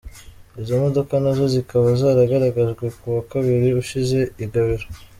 Izi modoka nazo zikaba zaragaragajwe kuwa Kabiri ushize i Gabiro.